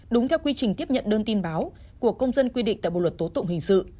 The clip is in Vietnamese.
đúng theo quy trình tiếp nhận đơn tin báo của công dân quy định tại bộ luật tố tụng hình sự